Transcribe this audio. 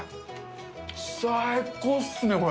最高っすね、これ。